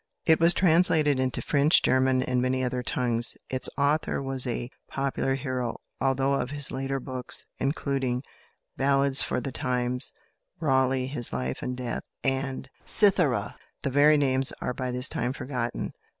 It was translated into French, German, and many other tongues; its author was a popular hero, although of his later books, including "Ballads for the Times," "Raleigh, his Life and Death," and "Cithara," the very names are by this time forgotten.